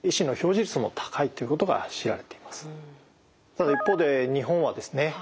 ただ一方で日本はですね